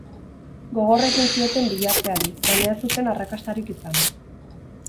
Gogor ekin zioten bilatzeari, baina ez zuten arrakastarik izan.